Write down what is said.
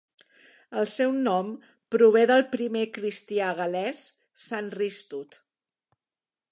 El seu nom prové del primer cristià gal·lès Sant Rhystud.